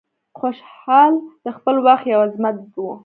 خوشحال د خپل وخت یو عظمت و.